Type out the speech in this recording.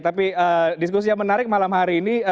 tapi diskusi yang menarik malam hari ini